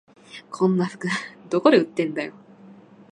こんな服どこで売ってんだよ